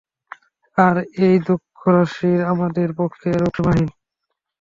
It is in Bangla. আর এই দুঃখরাশি আমাদের পক্ষে একরূপ সীমাহীন।